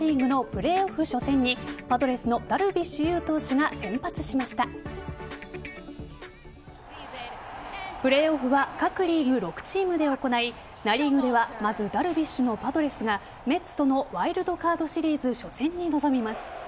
プレーオフは各リーグ６チームで行いナ・リーグではまずダルビッシュのパドレスがメッツとのワイルドカードシリーズ初戦に臨みます。